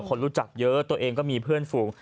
คนรู้จักเยอะตัวเองก็มีเพื่อนฝูง